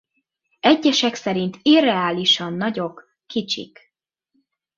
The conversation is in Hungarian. Egyesek szerint irreálisan nagyok-kicsik.